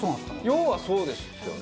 要はそうですよね。